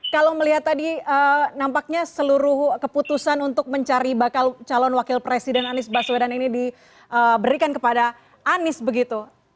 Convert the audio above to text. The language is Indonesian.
kalau melihat tadi nampaknya seluruh keputusan untuk mencari bakal calon wakil presiden anies baswedan ini diberikan kepada anies begitu